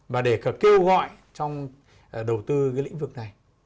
và để cả kêu gọi trong đầu tư cái lĩnh vực này